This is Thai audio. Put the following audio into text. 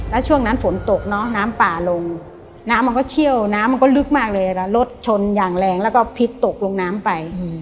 แล้วช่วงนั้นฝนตกเนอะน้ำป่าลงน้ำมันก็เชี่ยวน้ำมันก็ลึกมากเลยแล้วรถชนอย่างแรงแล้วก็พลิกตกลงน้ำไป